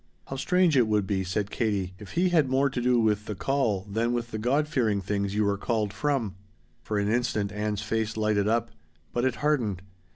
"How strange it would be," said Katie, "if He had more to do with the 'call' than with the God fearing things you were called from." For an instant Ann's face lighted up. But it hardened.